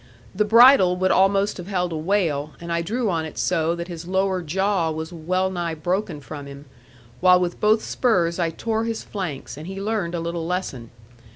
The bridle would almost have held a whale and I drew on it so that his lower jaw was well nigh broken from him; while with both spurs I tore his flanks, and he learned a little lesson.